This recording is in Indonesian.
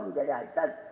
menjadi high touch